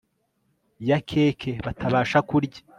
ya keke batabasha kurya